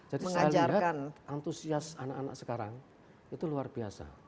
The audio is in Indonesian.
jadi saya lihat antusias anak anak sekarang itu luar biasa